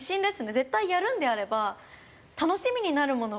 絶対やるんであれば楽しみになるものを。